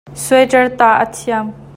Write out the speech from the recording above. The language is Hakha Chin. Suaiṭar tah a thiam.